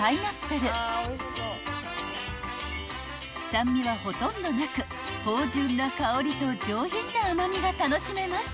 ［酸味はほとんどなく芳醇な香りと上品な甘味が楽しめます］